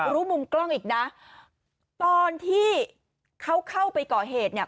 รู้มุมกล้องอีกนะตอนที่เขาเข้าไปก่อเหตุเนี่ย